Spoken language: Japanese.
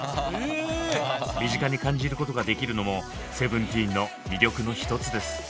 身近に感じることができるのもＳＥＶＥＮＴＥＥＮの魅力の一つです。